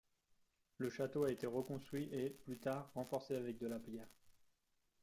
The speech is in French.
Le château a été reconstruit et, plus tard, renforcé avec de la pierre.